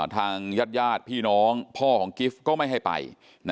ทางญาติพี่น้องพ่อของกิฟต์ก็ไม่ให้ไป